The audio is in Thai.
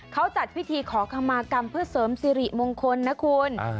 เขาจัดพิธีขอคำมากรรมเพื่อเสริมสิริมงคลนะคุณ